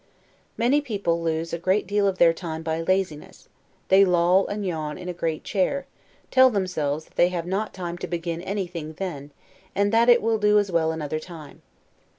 Many people lose a great deal of their time by laziness; they loll and yawn in a great chair, tell themselves that they have not time to begin anything then, and that it will do as well another time.